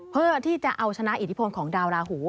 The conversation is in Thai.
เพื่อที่จะเอาชนะอิทธิพลของดาวราหู